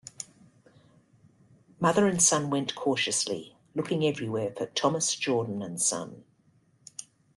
Mother and son went cautiously, looking everywhere for “Thomas Jordan and Son”.